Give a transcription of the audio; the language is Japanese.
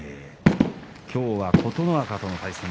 今日は琴ノ若との対戦。